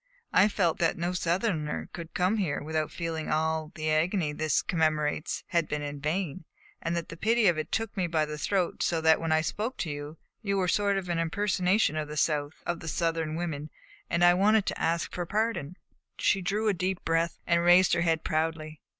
I felt that no Southerner could come here without feeling that all the agony this commemorates had been in vain; and the pity of it took me by the throat so that when I spoke to you, you were a sort of impersonation of the South of the Southern women; and I wanted to ask for pardon." She drew a deep breath and raised her head proudly.